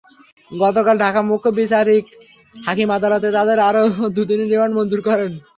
গতকাল ঢাকা মুখ্য বিচারিক হাকিম আদালত তাঁদের আরও দুদিনের রিমান্ড মঞ্জুর করেন।